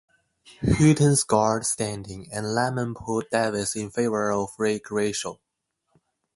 Hooton scored standing, and Lemon pulled Davis in favor of Rick Reuschel.